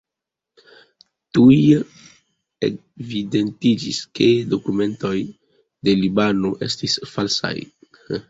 Tuj evidentiĝis, ke dokumentoj de Libano estis falsaj.